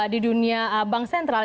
di dunia bank sentral